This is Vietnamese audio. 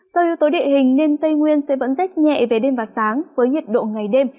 do yếu tố địa hình nên tây nguyên sẽ vẫn rét nhẹ về đêm và sáng với nhiệt độ ngày đêm